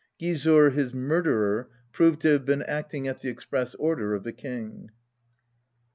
Gizurr, his murderer, proved to have been acting at the express order of the King.